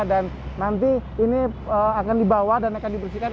dan nanti ini akan dibawa dan akan diberikan